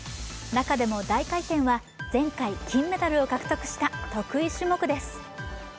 中でも大回転は前回、金メダルを獲得した得意種目です。